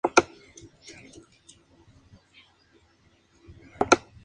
El segundo sencillo fue el que da título al álbum, "Rendez-vous".